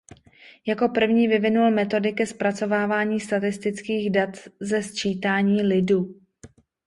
Jako první vyvinul metody ke zpracovávání statistických dat ze sčítání lidu.